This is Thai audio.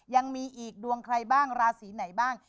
ยังมีอีกดวงใครบ้างราศีไหนบ้าง